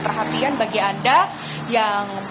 perhatian bagi anda yang